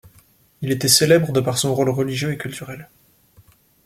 Il était célèbre de par son rôle religieux et culturel.